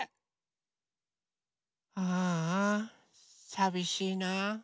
ああさびしいな。